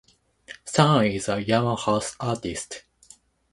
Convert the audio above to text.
Sun is a Yamaha Artist.